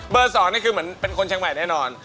๒นี่คือเหมือนเป็นคนเชียงใหม่แน่นอน